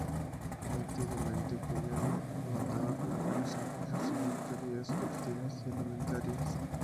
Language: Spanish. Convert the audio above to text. Antiguamente, Collado contaba con varias empresas y factorías textiles y alimentarias.